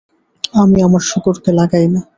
আমি আমার শূকরকে লাগাই না।